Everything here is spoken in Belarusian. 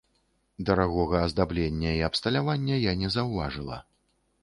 Дарагога аздаблення і абсталявання я не заўважыла.